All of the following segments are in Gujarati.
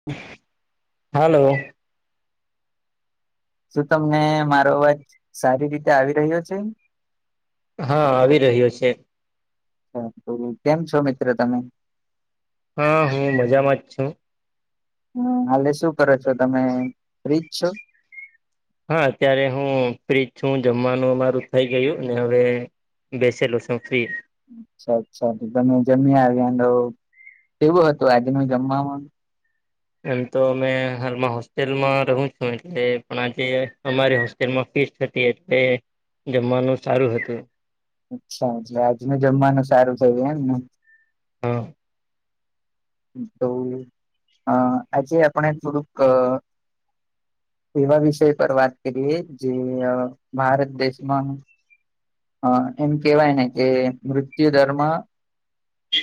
[inaudible] હલો, શું તમને મારો અવાજ સારી રીતે આવી રહ્યો છે, હા, આવી રહ્યો છે. કેમ છો મિત્રો તમે, હા, હું મજામાં જ છું. હમ્મ, હાલે શું કરો છો, તમે ફ્રી જ છો. હા, અત્યારે હું ફ્રી જ છું, જમવાનું અમારું થઇ ગયું ને હવે, બેસેલો સોફી અચ્છા અચ્છા તમે જમ્યા આવ્યાનો કેવું હતું આજ નું જમવામ, એમ તો અમે હાલમાં હોસ્ટેલમાં રહું છું, એટલે પણ આજે અમારી હોસ સ્ટેલ માં ફીસ હટી એટલે જમવાનું સારું હતું, અચ્છા અરછા એટલે આજનું જમવાનું સારું થયું એમને, હ તો અ આજે આપણે થોડુંક એવા વિષય પર વાત કરીએ જે અ ભારત દેશમાં હ એમ કેહેવાય ને કે મૃત્યુદર માં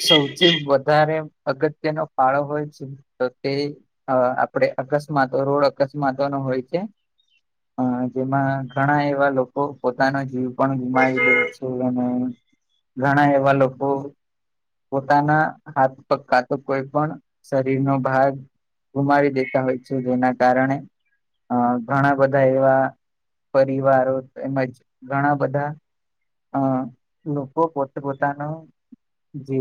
સૌથી વધારે અગત્યનો ફાળો હોય છે તો તે અ આપડે અકસ્માતો રોડ અકસ્માતો નો હોય છે, અ જેમાં ઘણા એવા લોકો પોતાનો જીવ પણ ગુમાવી દેઉ છે, અને ઘણા એવા લોકો પોતાના હાથ પગ કા તો કોઈ પણ શરીરનો ભાગ ગુમાવી દેતા હોય છે, જેના કારણે અ ઘણા બધા એવા પરિવારો તેમજ ઘણા બધા હ લોકો પોતે પોતાનું જે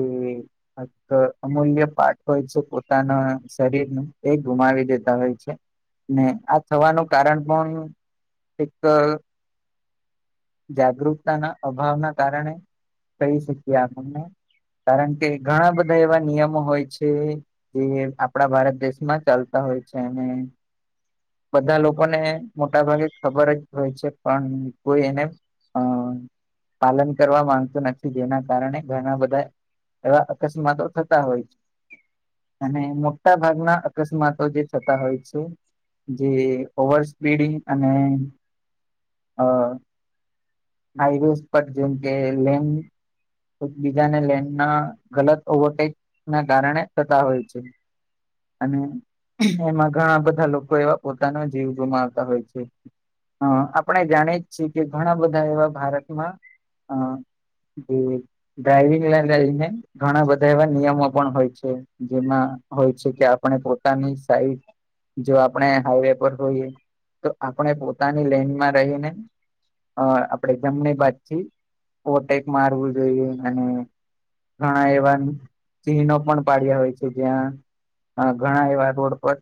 અમૂલ્ય પાર્ટ હોય છે પોતાના શરીર નો એ ગુમાવી દેતા હોય છે. ને આ થવાનું કારણ પણ એક અ જાગૃતતાના અભાવના કારણે કહી શકીએ આપણને કારણ કે ઘણા બધા એવા નિયમો હોય છે, એ આપડા ભારત દેશમાં ચાલતા હોય છે, અને બધા લોકોને મોટા ભાગે ખબર જ હોય છે, પણ કોઈ એને અ પાલન કરવા માંગતો નથી જેના કારણે ઘણા બધાએ એવા અકસ્માતો થતા હોય છે, અને મોટા ભાગના અકસ્માતો જે થતા હોય છે. જે ઓવર સ્પીડીંગ અને અહ હાઈવેસ પર જેમ કે લેન બીજાને લેન ના ગલત ઓવરટેક ના કારણે થતા હોય છે. અને એમાં ઘણા બધા લોકો એવા પોતાના જીવ ગુમાવતા હોય છે. અહ આપણે જાણીએ જ છે કે ઘણા બધા એવા ભારતમાં અહ [unintelligible] ડ્રાઈવિંગને લઈને ઘણા બધા એવા નિયમો પણ હોય છે, જેમાં હોય છે. કે આપણે પોતાની સાઈટ જો આપણે હાઈવે પર હોઈએ, તો આપણે પોતાની લેનમાં રહીને અહ આપણેે જમણી બાજથી ઓવરટેક મારવું જોઈએ અને ઘણા એવા ચિહનો પણ પાડ્યા હોય છે, ત્યાં અહ ઘણા એવા રોડ પર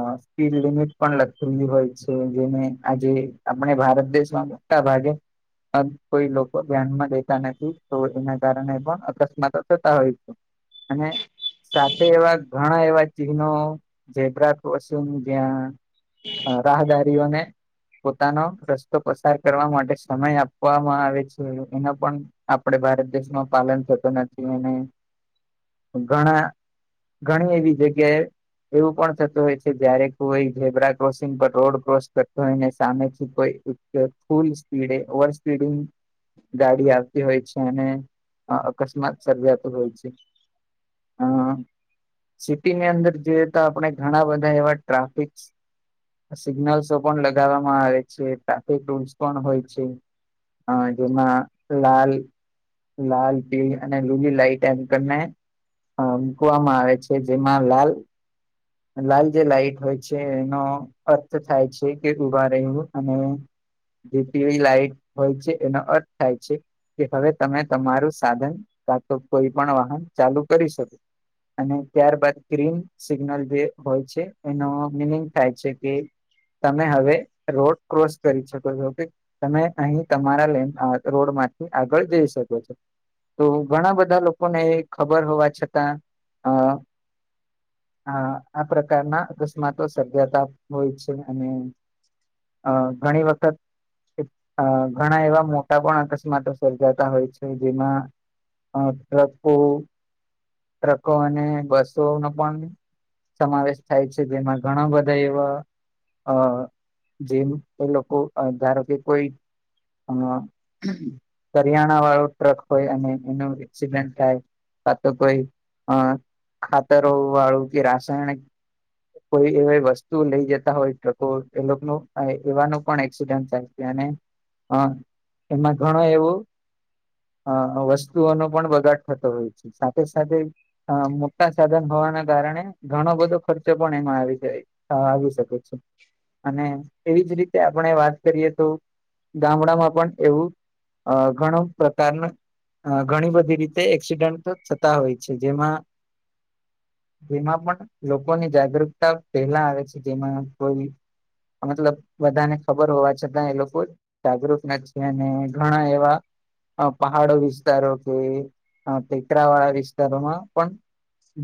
અહ સ્પીડ લિમિટ પણ લખેલી હોય છે, જેને આજે આપણે ભારત દેશમાં મોટા ભાગે કોઈ લોકો ધ્યાનમાં દેતા નથી, તો એના કારણે પણ અકસ્માતો થતા હોય છે. અને [inaudible] સાથે એવા ઘણા એવા ચિહ્નો ઝેબ્રા કોર્સિંગ જ્યાં અહ રાહદારીઓને પોતાનો રસ્તો પસાર કરવા માટે સમય આપવામાં આવે છે એનો પણ આપડે ભારત દેશમાં પાલન થતું નથી અને ઘણા ઘણી એવી જગ્યાએ એવું પણ થતું હોય છે, જયારે કોઈ ઝિબ્રા ક્રોસિંગ પર રોડ ક્રોસ કરતો હોય ને સામેથી કોઈ ફૂલ સ્પીડે, ઓવર સ્પીડંગ ગાડી આવતી હોય છે, અને અહ અકસ્માત સર્જાતો હોય છે. અહ સિટીની અંદર જોઈએ તો આપણે ઘણા બધા એવા ટ્રાફિકસ સિગ્નલ્સો પણ લગાવવામાં આવે છે, ટ્રાફિક રૂલ્સ પણ હોય છે. અહ જેમાં લાલ લાલ, પીડી અને લીલી લાઈટ એમ કરને અહ મૂકવામાં આવે છે, જેમાં લાલ લાલ જે લાઈટ હોય છે એનો અર્થ થાય છે કે ઉભા રહેવું અને જે પીળી લાઈટ હોય છે, એનો અર્થ થાય છે કે હવે તમે તમારું સાધન કા તો કોઈ પણ વાહન ચાલુ કરી શકો અને ત્યારબાદ ગ્રીન સિગ્નલ જે હોય છે, એનો મિનિંગ થાય છે કે તમે હવે રોડ ક્રોસ કરી શકો છો કે તમે અહી તમારા લેન અહ રોડ માંથી આગળ જઈ શકો છો. તો ઘણા બધા લોકોને એ ખબર હોવા છતાં અહ હા, આ પ્રકારના અકસ્માતો સર્જાતા હોય છે અને અહ ઘણી વખત અહ ઘણા એવા મોટા પણ અકસ્માતો સર્જાતા હોય છે, જેમાં અહ ટ્રકો ટ્રકો અને બસો નો પણ સમાવેશ થાય છે, જેમાં ઘણા બધા એવા અહ જેમ એ લોકો ધારો કે કોઈ અહ કરિયાણા વાળો ટ્રક હોય અને એનો એક્સિડેન્ટ થાય કા તો કોઈ અહ ખાતરો વાળું કે રાસાયણિક કોઈ એવા વસ્તુ લઈ જતા હોય ટ્રકો, એ લોકનો એવાનું પણ એક્સિડન્ટ થાય. એને અહ એમાં ઘણો એવું અ વસ્તુઓનો પણ બગાડ થતો હોય છે, સાથે સાથે અ મોટા સાધન હોવાના કારણે ઘણો બધો ખર્ચો પણ એમાં આવી જાય અ આવી શકે. અને એવીજ રીતે આપણે વાત કરીએ તો ગામડામાં પણ એવું અ ઘણો પ્રકારના ઘણી બધી રીતે એક્સિડન્ટ થતા હોય છે જેમાં જેમાં પણ લોકોની જાગૃતતા પહેલા આવે છે જેમાં કોઈ મતલબ બધાને ખબર હોવા છતાં એ લોકો જ જાગૃત ના છે અને ઘણા એવા પહાડો વિસ્તારો કે અ ટેકરા વાળા વિસ્તારોમાં પણ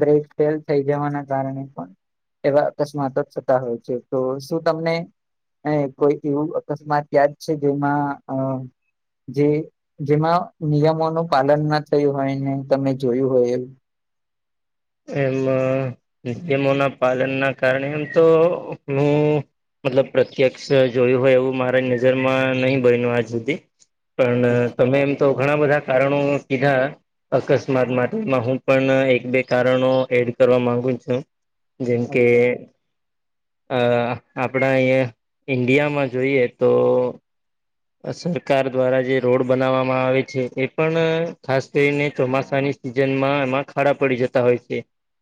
બ્રેક ફેલ થઈ જવાના કારણે પણ એવા અકસ્માતો જ થતા હોય છે તો શું તમને અ કોઈ એવું અકસ્માત તયા જ છે જેમાં અ જે જેમાં નિયમોનું પાલન ના થયું હોય ને તમે જોયું હોય એ એમ નિયમો ના પાલન ના કારણે એમ તો હું મતલબ પ્રત્યક્ષ જોયું હોય એવું મારા નજરમાં નહીિ બન્યું આજ સુધી પણ તમે તો ઘણા બધા કારણો કીધા અકસ્માત માત્રમાં હું પણ એક બે કારણો એડ કરવા માંગુ છું જેમ કે અચ્છા અ આપણા અહીંયા ઇન્ડિયામાં જોઈએ તો સરકાર દ્વારા જે રોડ બનાવવામાં આવે છે એ પણ ખાસ કરીને ચોમાસાની જન્માં એમાં ખાડા પડી જતા હોય છે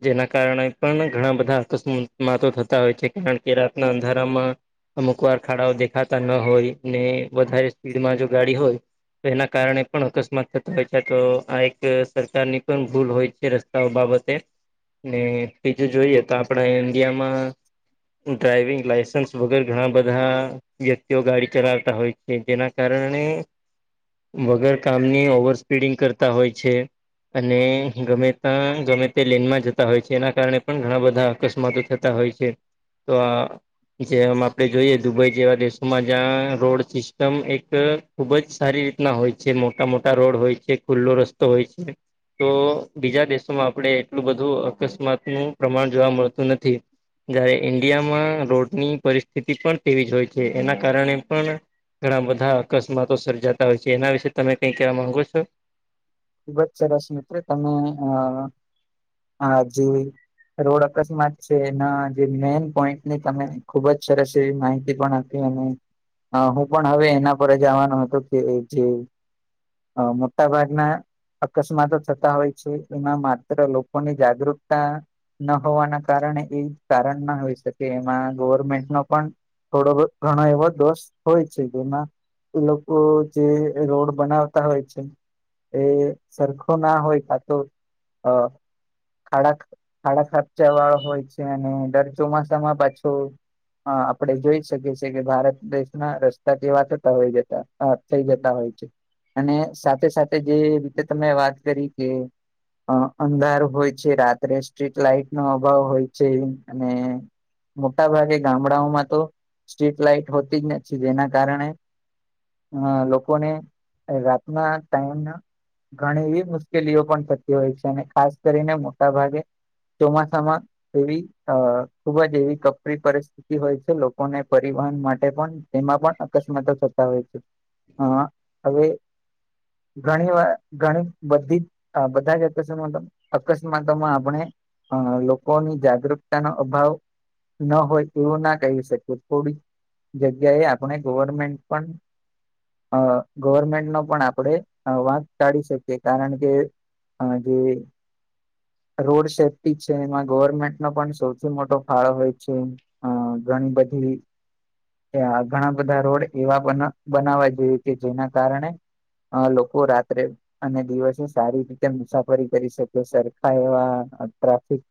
જેના કારણે પણ ઘણા બધા અકસ્મસ્માતો થતા હોય છે કારણ કે રાતના અંધારામાં અમુક વાર ખાડાઓ દેખાતા ન હોય ને વધારે સ્પીડમાં જો ગાડી હોય એના કારણે પણ અકસ્માત થતો હોય છે તો આ એક સરકારની પણ ભૂલ હોય છે બાબતે ને બીજું જોઈએ તો આપડા ઇન્ડિયામાં ડ્રાઈવિંગ લાાયસન્સ વગર ઘણા બધા વ્યક્તિઓ ગાડી ચલાવતા હોય કે જેના કારણે વગર કામની ઓવર સ્પીડિંગ કરતા હોય છે અને ગમે ત ગમે તે લેનમાં જતા હોય છે એના કારણે પણ ઘણા બધા અકસ્માતો થતા હોય છે તો આ જેમ આપે જોઈએ દુબઈ જેવા દેશોમાં જ્યાં રોડ એકદમ એક ખુબ જ સારી રીતના હોય છે મોટા મોટા રોડ હોય છે ખુલ્લો રસ્તો હોય છે તો બીજા દેશોમાં આપણેે એટલું બધું અકસ્માતનુંું પ્રમાણ જોવા મળતું નથી જયારે ઈન્ડિયામાં રોડની પરિસ્થિતિ પણ તેવી જ હોય છે એના કારણે પણ ઘણા બધા અકસ્માતો સર્જાતા હોય છે એના વિશે તમે કઈ કેવા માંગો છો ખુબ જ સરસ મિત્રો તમે અ આ જેવી રોડ અકસ્માત છે એ જે મેન પોઈન્ટ ની તમે ખુબ જ સરસ એવી માહિતી પણ આપ હું પણ હવે એના પર જવાનું હતું કે જે મોટા ભાગના અકસ્માતો થતા હોય છે એમાં માત્ર લોકોની જાગૃતતા ના હોવાના કારણે એ કારણ ના હોઈ શકે એમાં ગવર્મેન્ટ ન પણ થોડો ઘણા એ વધો હોય છે જેમાં લોકો જે રોડ બનાવતા હોય છે એ સરખો ના હોય ખાતો અ ખાડા ખાડા ખફ જવાળ હોય છે અને દર ચોમાસામાં પાછું આપડે જોઈ શકીએ છીએ કે ભારત દેશના રસ્તા કેવા થતા હોય જતા થઈ જતા હોય છે અને સાથે સાથે જે રીતે તમે વાત કરી કે અ અંધાર હોય છે રાત્રે સ્ટ્રીટ લાાઈટ નો અભાવ હોય છે અને મોટા ભાગે ગામડાઓમાં તો સ્ટ્રીટ લાાઈટ હોતી જ નથી જેના કારણે અ લોકોને રાતના ટાઈમ ના ઘણી એવી મુશ્કેલીઓ પણ થતી હોય છે અને ખાસ કરીને મોટા ભાગે ચોમાસામાં એવી અ ખુબ જ એવી કપરી પરસ્ હોય છે લોકોને પરિવહન માટે પણ તેમાં પણ અકસ્માતો થતા હોય છે હા અવે ઘણી વાર ઘણી બધી બધા જ અકસ્માતો અકસ્માતોમાં આપણે હ લોકોની જાગૃકતા નો અભાવ ના હોય એવું ના કહી શકે થોડીક જગ્યાએ આપણે ગવર્મેન્ટ પણ ગવર્મેન્ટ નો પણ આપણે વાંધ ટાઢી શકીએ કારણ કે જે રોડ સેફ્ટી છે એમાં ગવર્મેન્ટ નો પણ સૌથી મોટો ફાળો હોય છે હ ઘણી બધી ઘણા બધા રોડ એવા બનાવા જોયું કે જેના કારણે હ લોકો રાત્રે અને દિવસો સારી રીતે મુસાફરી કરી શકે સરખા એવા ટ્રાફિક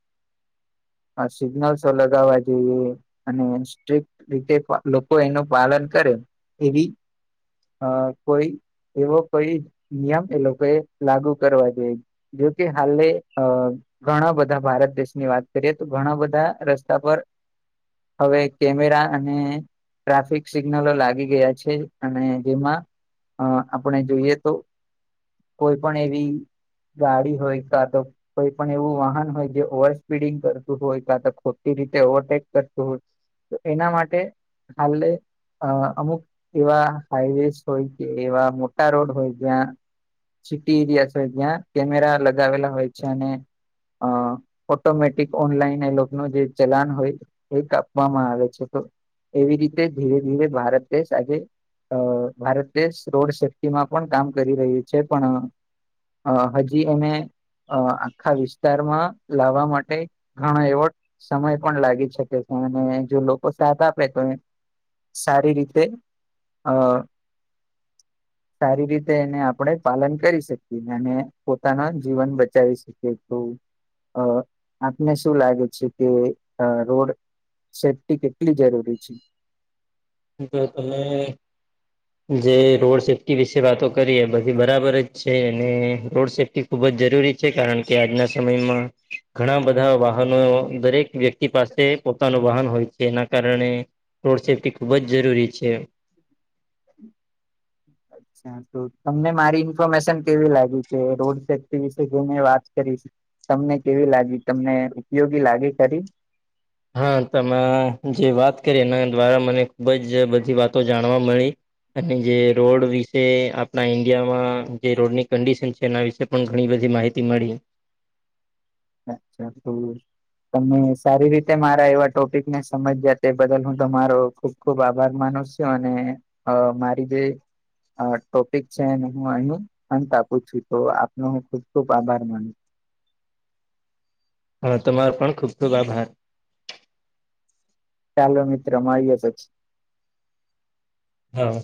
હ સિગ્નલસો લગાવવા જોઈએ અને સ્ટ્રિક્ટ રીતે લોકો એનું પાલન કરે એવી અ કોઈ એવો કોઈ નિયમ એ લોકો એ લાગુ કરવા દઈ જો કે હાલે અ ઘણા બધા ભારત દેશની વાત કરીએ તો ઘણા બધા રસ્તા પર હવે કેમેરા અને ટ્રાફિક સિગ્નલો લાગી ગયા છે અને જેમાં અ આપણે જોઈએ તો કોઈ પણ એવી ગાડી હોય કા તો કોઈ પણ એવું વાહન હોય જે ઓવર સ્પીડિંગ કરતું હોય કા તો ખોટી રીતે ઓવરટેક કરતું હોય તો એના માટે હ અમુક એવા હાઈવેસ હોય કે એવા મોટા રોડ હોય જ્યાં સિટી એરિયા છે જ્યાં કેમેરા લગાવેલા હોય છે અને અ ઓટોમેટિક ઓનલાઈન એલો ન જે ચલાન હોય એ કપવામાં આવે છે તો એવી રીતે ધીરે ધીરે ભારત દેશ આજે ભારત રોડ સેફ્ટી માં પણ કામ કરી રહ્યું છે પણ હજી એને અ આખા વિસ્તારમાં લાવવા માટે ઘણા એવોર્ડ સમય પણ લાગી શકે છે અને જો લોકો સાથ આપે તો સારી રીતે અ સારી રીતે એને આપણે પાલન કરી શકીએ અને પોતાનો જીવન બચાવી શકીએ આપને શું લાગે છે કે રોડ સેફ્ટી કેટલી જરૂરી છે તો તમે જે રોડ સેફ્ટી વિશે વાતો કરીએ બધી બરાબર જ છે અને રોડ સેફ્ટી ખૂબ જ જરૂરી છે કારણ કે આજના સમયમાં ઘણા બધા વાહનો દરેક વ્યક્તિ પાસે પોતાનું વાહન હોય છે એના કારણે રોડ સેફ્ટી ખુબ જ જરૂરી છે અચ્છા તમને મારી ઇન્ફોર્મેશન કેવી લાગી છે રોડ સેફ્ટી વિશે જે મે વાત કરીશ તમને કેવી લાગી તમને ઉપયોગી લાગે ખરી હા તમે જે વાત કરી એના દ્વારા મને ખુબ જ બધી વાતો જાણવા મળી અને જે રોડ વિશે આપણા ઈન્ડિયામાં જે રોડની કન્ડિશન છે એના વિશે પણ ઘણી બધી માહિતી મળી અચ્છા તો તમે સારી રીતે મારા એવા ટોપિક ને સમજ્યા તે બદલ હું તમારો ખબ ખુબ આભાર માનો છું અને મારી જે ટોપિક છેને હું અહી અંત આપું છું તો આપનો હું ખુબ ખુબ આભાર માનું છું. હા તમારો પણ ખુબ ખુબ આભાર. ચાલો મિત્ર મારીએ તો. હા.